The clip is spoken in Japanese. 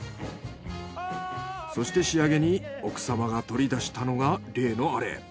そして仕上げに奥様が取り出したのが例のアレ。